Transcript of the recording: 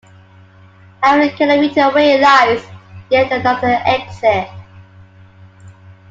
Half a kilometre away lies yet another exit.